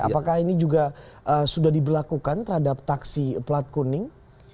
apakah ini juga sudah diberlakukan terhadap taksi pelat kuning